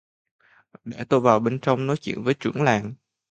Để tôi vào bên trong nói chuyện với trưởng làng